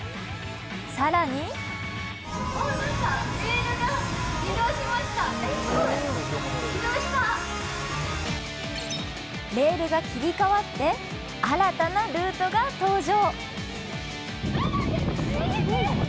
更にレールが切り替わって新たなルートが登場。